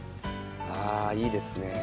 ああいいですね。